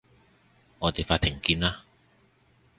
我哋法庭見啦